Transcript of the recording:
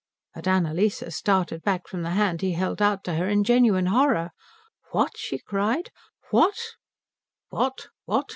But Annalise started back from the hand he held out to her in genuine horror. "What?" she cried, "What?" "What? What?"